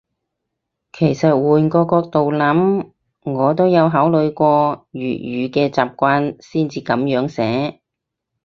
其實換個角度諗，我都有考慮過粵語嘅習慣先至噉樣寫